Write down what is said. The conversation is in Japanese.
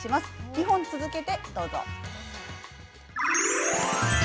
２本続けてどうぞ。